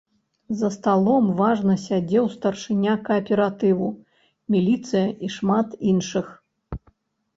За сталом важна сядзеў старшыня кааператыву, міліцыя і шмат іншых.